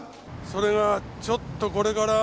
それがちょっとこれから。